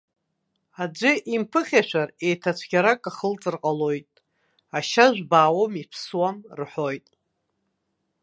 Аӡәы имԥыхьашәар, еиҭа цәгьарак ахылҵыр ҟалоит, ашьажә баауам, иԥсуам рҳәоит.